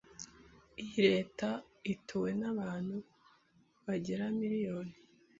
iyi leta ituwe n'abantu bagera miriyoni